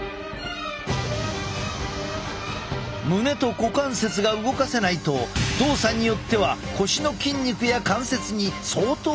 胸と股関節が動かせないと動作によっては腰の筋肉や関節に相当な負荷がかかってしまう。